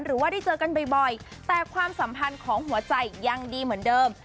หรือว่าได้เจอกันบ่อยแต่ความสัมพันธ์ของหัวใจยังดีเหมือนเดิม